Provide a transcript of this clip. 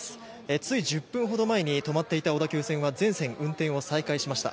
つい１０分ほど前に小田急線は全線運転を再開しました。